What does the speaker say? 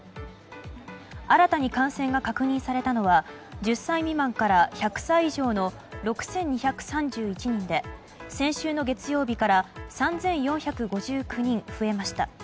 新たに感染が確認されたのは１０歳未満から１００歳以上の６２３１人で先週の月曜日から３４５９人増えました。